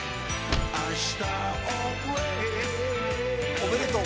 おめでとう。